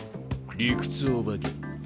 理屈お化け。